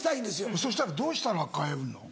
そしたらどうしたら買えるの？